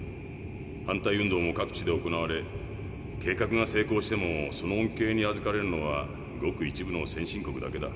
反対運動も各地で行われ計画が成功してもその恩けいにあずかれるのはごく一部の先進国だけだ。